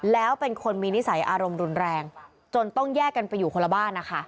แล้วเป็นคนมีนิสัยอารมณ์รุนแรงจนต้องแยกกันไปอยู่คนละบ้านนะคะ